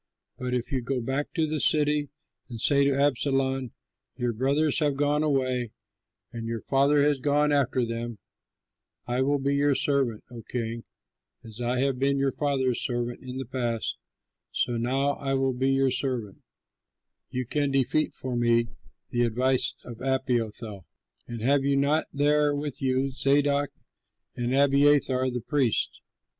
But if you go back to the city, and say to Absalom, 'Your brothers have gone away and your father has gone after them; I will be your servant, O king; as I have been your father's servant in the past, so now I will be your servant,' you can defeat for me the advice of Ahithophel. And have you not there with you Zadok and Abiathar the priests?